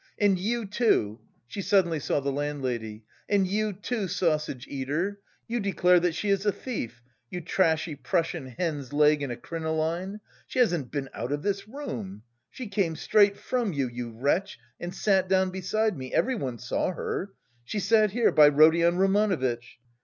"And you too?" she suddenly saw the landlady, "and you too, sausage eater, you declare that she is a thief, you trashy Prussian hen's leg in a crinoline! She hasn't been out of this room: she came straight from you, you wretch, and sat down beside me, everyone saw her. She sat here, by Rodion Romanovitch.